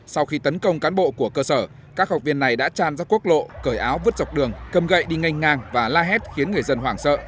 sau khi tấn công cán bộ của cơ sở các học viên này đã tràn ra quốc lộ cởi áo vứt dọc đường cầm gậy đi ngang và la hét khiến người dân hoảng sợ